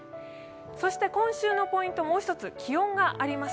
そして今週のポイント、もう一つ、気温があります。